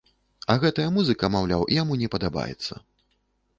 А гэтая музыка, маўляў, яму не падабаецца.